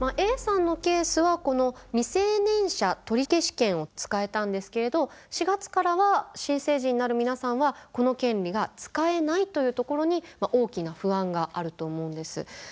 Ａさんのケースはこの未成年者取消権を使えたんですけれど４月からは新成人になる皆さんはこの権利が使えないというところに大きな不安があると思うんです。